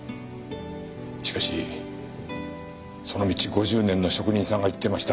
しかしその道５０年の職人さんが言ってました。